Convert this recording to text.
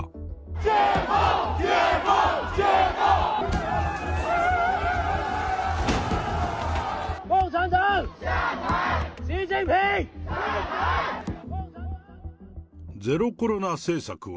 セロコロナ政策は。